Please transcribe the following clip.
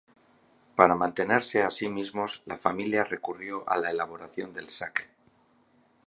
Para mantenerse a sí mismos, la familia recurrió a la elaboración del sake.